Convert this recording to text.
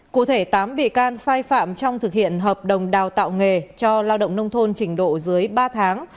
cụ thể tám bị can sai phạm trong thực hiện hợp đồng đào tạo nghề cho lao động nông thôn trình độ dưới ba tháng